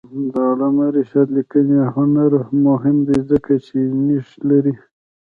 د علامه رشاد لیکنی هنر مهم دی ځکه چې نیښ لري.